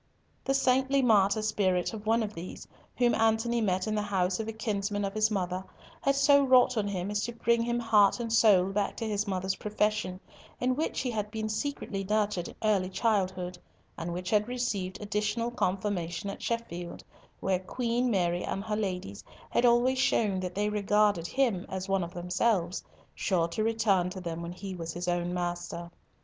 The saintly martyr spirit of one of these, whom Antony met in the house of a kinsman of his mother, had so wrought on him as to bring him heart and soul back to his mother's profession, in which he had been secretly nurtured in early childhood, and which had received additional confirmation at Sheffield, where Queen Mary and her ladies had always shown that they regarded him as one of themselves, sure to return to them when he was his own master.